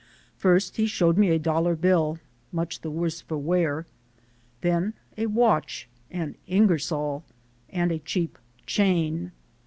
First he showed me a dollar bill, much the worse for wear; then a watch, an "Ingersoll," and a cheap chain.